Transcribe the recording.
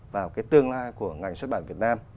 vào cái tương lai của ngành xuất bản việt nam